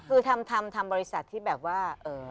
คือทำบริษัทที่แบบว่า